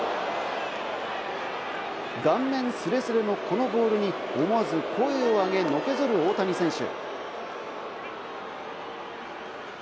顔面スレスレのこのボールに思わず声を上げ、のけぞる大谷選手。